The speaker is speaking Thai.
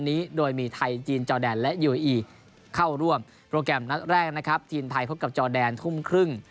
นัดแรกนะครับทีนไทยพบกับจอดแดนทุ่มครึ่ง